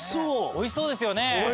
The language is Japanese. おいしそうですよね。